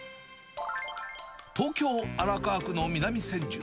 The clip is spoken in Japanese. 東京・荒川区の南千住。